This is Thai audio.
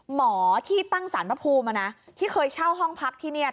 หมอที่ตั้งสารพระภูมิมานะที่เคยเช่าห้องพักที่เนี่ย